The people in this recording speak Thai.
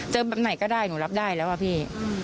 แบบไหนก็ได้หนูรับได้แล้วอะพี่